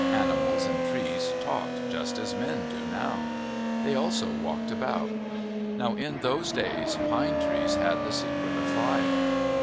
Animals and trees talked just as men do now. They also walked about. Now in those days, Pine Trees had the secret of fire.